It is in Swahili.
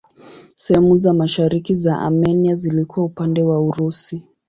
Sehemu za mashariki za Armenia zilikuwa upande wa Urusi.